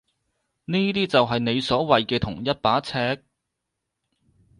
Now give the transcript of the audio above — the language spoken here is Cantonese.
呢啲就係你所謂嘅同一把尺？